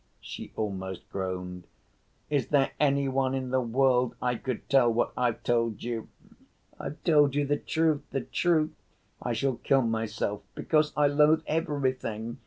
she almost groaned. "Is there any one in the world I could tell what I've told you? I've told you the truth, the truth. I shall kill myself, because I loathe everything!